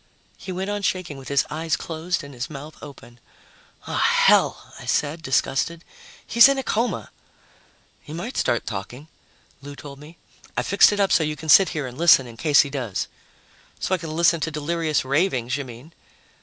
He went on shaking with his eyes closed and his mouth open. "Ah, hell!" I said, disgusted. "He's in a coma." "He might start talking," Lou told me. "I fixed it up so you can sit here and listen in case he does." "So I can listen to delirious ravings, you mean."